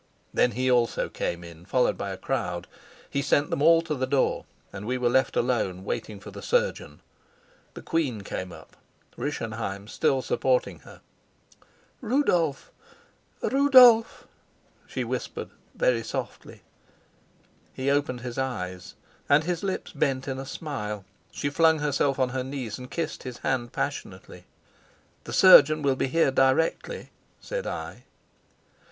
Then he also came in, followed by a crowd. He sent them all to the door, and we were left alone, waiting for the surgeon. The queen came up, Rischenheim still supporting her. "Rudolf! Rudolf!" she whispered, very softly. He opened his eyes, and his lips bent in a smile. She flung herself on her knees and kissed his hand passionately. "The surgeon will be here directly," said I.